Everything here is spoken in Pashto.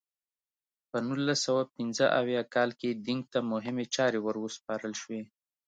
په نولس سوه پنځه اویا کال کې دینګ ته مهمې چارې ور وسپارل شوې.